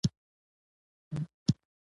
ریښتیني ملګري په سختو وختونو کې یو بل نه پرېږدي